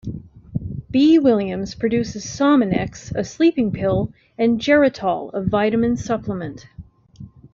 B. Williams products Sominex, a sleeping pill, and Geritol, a vitamin supplement.